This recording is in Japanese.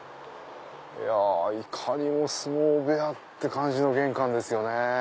いかにも相撲部屋って感じの玄関ですよね。